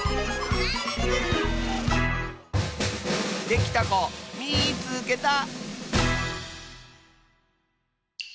できたこみいつけた！